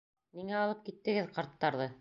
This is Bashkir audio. Ниңә алып киттегеҙ ҡарттарҙы?